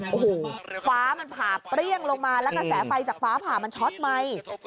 โอ้โหฟ้ามันผ่าเปรี้ยงลงมาแล้วกระแสไฟจากฟ้าผ่ามันช็อตไหม